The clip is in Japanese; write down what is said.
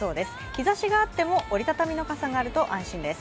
日ざしがあっても折り畳みの傘があると安心です。